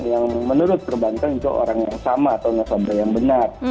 yang menurut perbankan itu orang yang sama atau nasabah yang benar